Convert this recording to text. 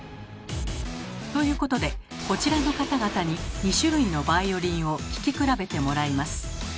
ということでこちらの方々に２種類のバイオリンを聴き比べてもらいます。